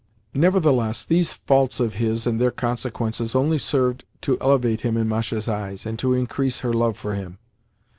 Nevertheless, these faults of his and their consequences only served to elevate him in Masha's eyes, and to increase her love for him.